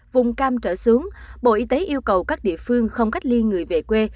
vùng cam trở xuống bộ y tế yêu cầu các địa phương không cách ly người về quê